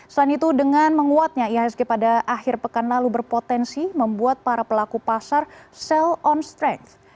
selain itu dengan menguatnya ihsg pada akhir pekan lalu berpotensi membuat para pelaku pasar sell on strength